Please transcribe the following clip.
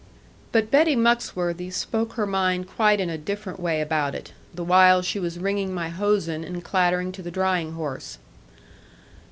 But Betty Muxworthy spoke her mind quite in a different way about it, the while she was wringing my hosen, and clattering to the drying horse.